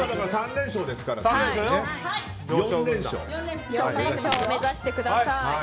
４連勝を目指してください。